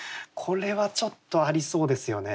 これはちょっとありそうですよね。